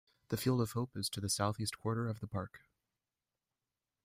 The Field of Hope is to the south-east quarter of the park.